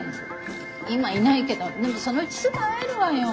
今いないけどでもそのうちすぐ会えるわよ。